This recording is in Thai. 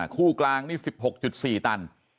คู่กลางนี่๑๖๔ตัน